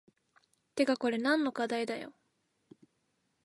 てかこれ何の課題だよ